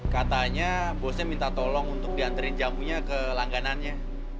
katanya bosa minta tolong untuk dianterin jamunya ke langganannya